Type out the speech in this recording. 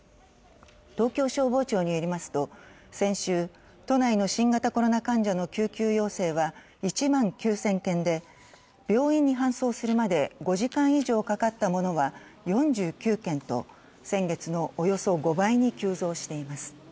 東京消防庁によりますと先週、都内の新型コロナ患者の救急要請は１万９０００件で病院に搬送するまで５時間以上かかったものが４９件と先月のおよそ５倍に急増しています。